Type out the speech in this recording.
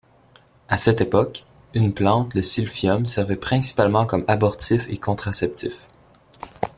À cette époque, une plante le silphium servait principalement comme abortif et contraceptif.